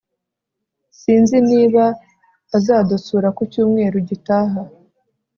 Sinzi niba azadusura ku cyumweru gitaha